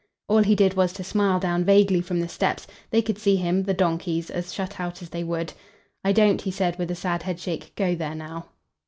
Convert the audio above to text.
All he did was to smile down vaguely from the steps they could see him, the donkeys, as shut out as they would. "I don't," he said with a sad headshake, "go there now."